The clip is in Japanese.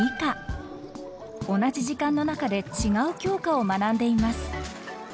同じ時間の中で違う教科を学んでいます。